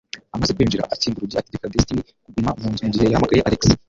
Amaze kwinjira, akinga urugi ategeka Destiny kuguma mu nzu mu gihe yahamagaye Alex.